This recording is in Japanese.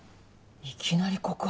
いきなり告白？